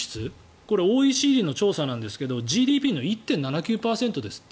これＯＥＣＤの調査なんですけどＧＤＰの１．７９％ですって。